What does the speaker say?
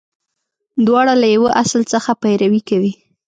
• دواړه له یوه اصل څخه پیروي کوي.